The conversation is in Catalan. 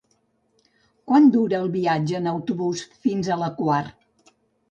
Quant dura el viatge en autobús fins a la Quar?